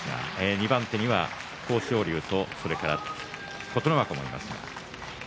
２番手には豊昇龍と、それから琴ノ若もいます。